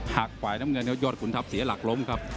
หากฝ่ายน้ำเงินครับยอดขุนทัพเสียหลักล้มครับ